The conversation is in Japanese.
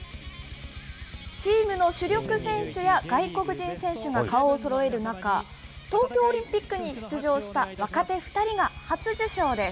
チームの主力選手や外国人選手が顔をそろえる中、東京オリンピックに出場した若手２人が初受賞です。